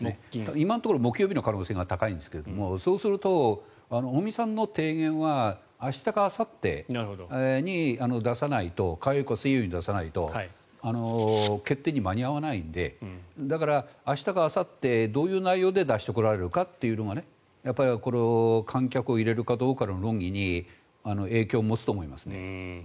今のところ木曜日の可能性が高いんですけれどもそうすると、尾身さんの提言は明日かあさってに火曜日か水曜日に出さないと決定に間に合わないので明日か、あさってどういう内容で出してこられるのかやっぱり観客を入れるかどうかの論議に影響を持つと思いますね。